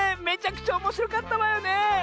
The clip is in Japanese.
めちゃくちゃおもしろかったわよねえ。